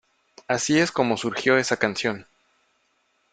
Así es como surgió esa canción.